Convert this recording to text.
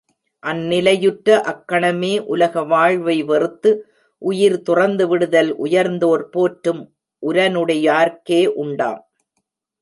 அந்நிலையுற்ற அக்கணமே, உலக வாழ்வை வெறுத்து, உயிர் துறந்து விடுதல் உயர்ந்தோர் போற்றும் உரனுடையார்க்கே உண்டாம்.